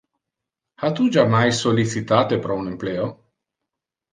Ha tu jammais sollicitate pro un empleo?